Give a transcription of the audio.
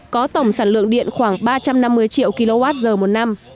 có tổng sản lượng điện khoảng ba trăm năm mươi triệu kwh một năm